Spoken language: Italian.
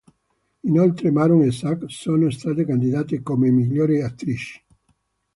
Inoltre Maron e Zack sono state candidate come migliori attrici.